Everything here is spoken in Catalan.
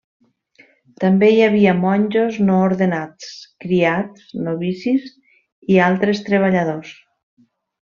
També hi havia monjos no ordenats, criats, novicis, i altres treballadors.